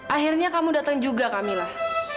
akhirnya kamu datang juga kamilah